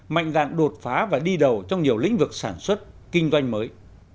mạnh dạng đột phá và đi đầu trong nhiều lĩnh vực sản xuất kinh doanh mới